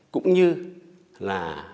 cũng như là